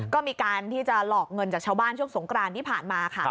ก็มีการที่จะหลอกเงินจากชาวบ้านช่วงสงกรานที่ผ่านมาค่ะ